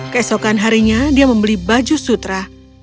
keesokan harinya dia membeli baju sutra